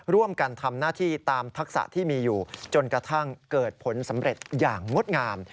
ร่วมกันทำหน้าที่ตามทักษะที่มีอยู่จนกระทั่งเกิดผลสำเร็จอย่างงดงาม